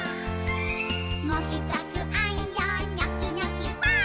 「もひとつあんよニョキニョキばぁ！」